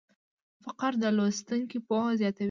فقره د لوستونکي پوهه زیاتوي.